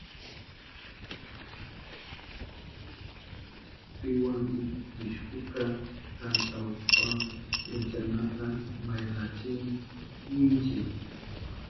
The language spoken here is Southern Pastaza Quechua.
Piwanu pishkuka kantahushpan punchanata baylachihun ninchi.